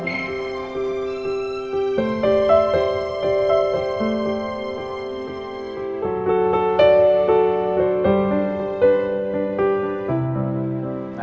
lagi ada yang ditutup